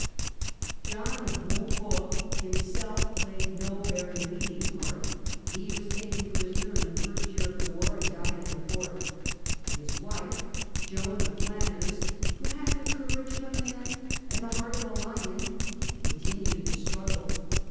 John of John of Montfort himself played no very leading part ; and Joan of he was taken prisoner in the first year of the war, and Flanders (jjg^j j^ ^^| ^g fourth. His wife, Joan of Flanders, " who had the courage of a man and the heart of a lion," con tinued the struggle.